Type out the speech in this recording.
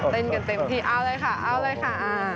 เต้นกันเต็มที่เอาเลยค่ะเอาเลยค่ะ